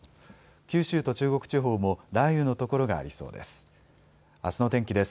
九州と中国地方も雷雨の所がありそうです。